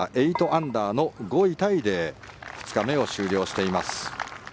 ８アンダーの５位タイで２日目を終了しています。